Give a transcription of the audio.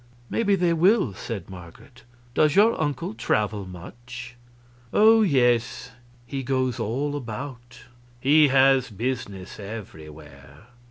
"Maybe they will," said Marget. "Does your uncle travel much?" "Oh yes, he goes all about; he has business everywhere."